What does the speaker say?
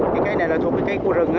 cái cây này là thuộc cái cây của rừng